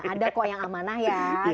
ada kok yang amanah ya